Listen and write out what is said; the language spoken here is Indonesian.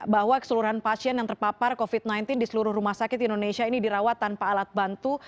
bahwa keseluruhan pasien yang terpapar covid sembilan belas di seluruh rumah sakit di indonesia ini dirawat tanpa alat bantu